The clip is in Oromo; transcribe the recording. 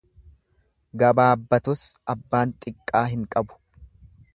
Gabaabbatus abbaan xiqqaa hin qabu.